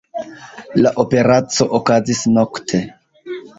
La operaco okazis nokte.